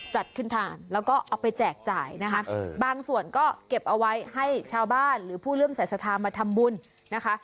จัดขึ้นทานแล้วก็เอาไปแจกจ่ายนะคะบางส่วนก็เก็บเอาไว้ให้ชาวบ้านหรือผู้เริ่มใส่สัทธามาทำบุญนะคะ